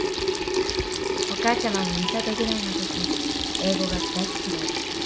お母ちゃま美里ぐらいの時英語が大っ嫌いだったの。